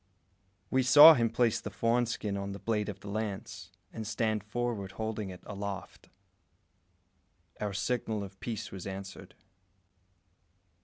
We saw him place the fawn skin on the blade of the lance, and stand forward holding it aloft. Our signal of peace was answered.